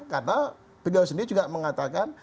karena beliau sendiri juga mengatakan